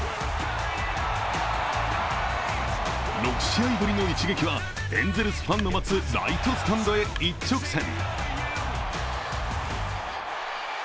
６試合ぶりの一撃は、エンゼルスファンの待つライトスタンドへ一直線。